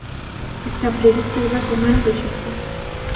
Están previstas dúas semanas de xuízo.